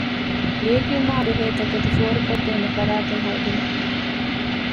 ލިޔެކިޔުމާބެހޭ ތަކެތި ފޯރުކޮށްދޭނެ ފަރާތެއް ހޯދުމަށް